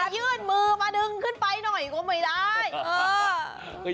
ยื่นมือมาดึงขึ้นไปหน่อยก็ไม่ได้